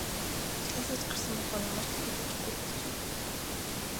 Ажлаасаа ч гарсан болохоор ямар ч сураг ажиггүй болжээ.